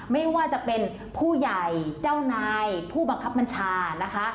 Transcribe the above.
ไม่ว่าจะเป็นผู้ใหญ่เจ้านายผู้บังคับบัญชานะคะ